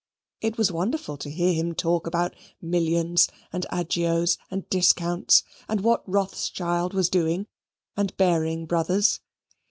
It was wonderful to hear him talk about millions, and agios, and discounts, and what Rothschild was doing, and Baring Brothers.